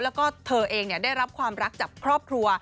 แล้วก็เธอเองได้รับความรักจากครอบครัว